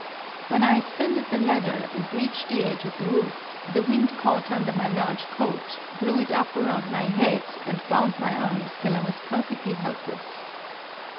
When I ascended the ladder and reached the edge of the roof, the wind caught under my large coat, blew it up around my head and bound my arms till I was perfectly helpless.